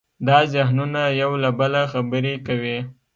دا ذهنونه یو له بله خبرې کوي.